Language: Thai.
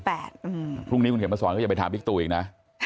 พรุ่งนี้คุณเขียนมาสอนก็อย่าไปถามบิ๊กตูอีกนะ